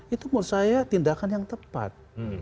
itu menurut saya tindakan yang tepat